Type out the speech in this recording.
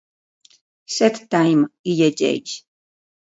"Set time", hi llegeix.